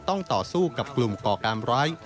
ต่อสู้กับกลุ่มก่อการร้าย